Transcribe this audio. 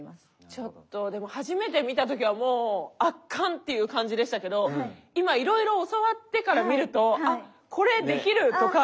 ちょっとでも初めて見た時はもう圧巻っていう感じでしたけど今いろいろ教わってから見るとあっこれできるとか。